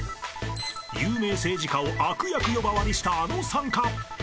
［有名政治家を悪役呼ばわりしたあのさんか？］